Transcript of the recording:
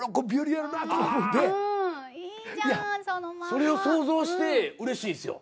それを想像してうれしいんですよ。